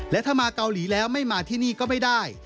และถ้ามาเกาหลีแล้วไม่มาที่นี่ก็ไม่ได้